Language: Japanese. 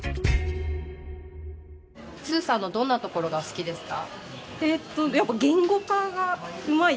スーさんのどんなところが好きですか？